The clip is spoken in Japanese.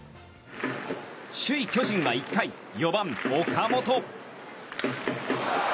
首位、巨人は１回４番、岡本。